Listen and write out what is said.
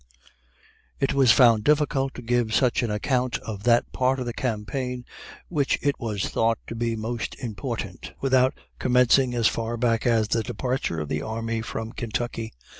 It was found difficult to give such an account of that part of the campaign which it was thought to be most important, without commencing as far back as the departure of the army from Kentucky.